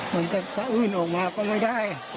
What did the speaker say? มันจะสะอื้นออกมาก็ไม่ได้